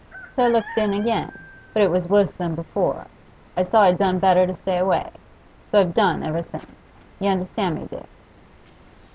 So I looked in again; but it was wuss than before, I saw I'd done better to stay away. So I've done ever since. Y' understand me, Dick?